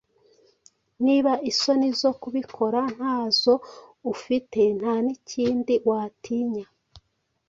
Niba isoni zo kubikora ntazo ufite ntanikindi watinya